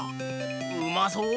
うまそう！